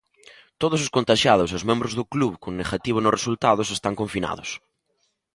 Todos os contaxiados e os membros do club con negativo nos resultados están confinados.